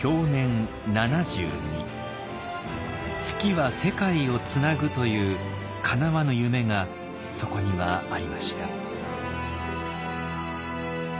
「数寄は世界をつなぐ」というかなわぬ夢がそこにはありました。